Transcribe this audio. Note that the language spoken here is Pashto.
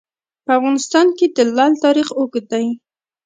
په افغانستان کې د لعل تاریخ اوږد دی.